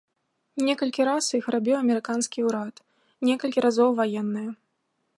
Некалькі раз іх рабіў амерыканскі ўрад, некалькі разоў ваенныя.